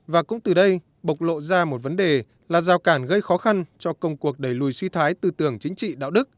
và cũng từ đây bộc lộ ra một vấn đề là rào cản gây khó khăn cho công cuộc đẩy lùi suy thoái tư tưởng chính trị đạo đức